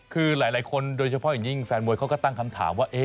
คือหลายคนโดยเฉพาะอย่างยิ่งแฟนมวยเขาก็ตั้งคำถามว่า